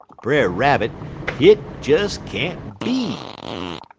_' "'Brer Rabbit, hit des _can't be!